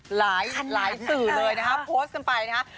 หลายสื่อโพสต์กันไปนะครับ